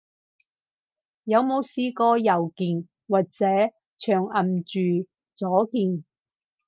有冇試過右鍵，或者長撳住左鍵？